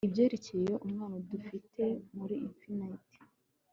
Ibyerekeye umwanya dufite muri infinite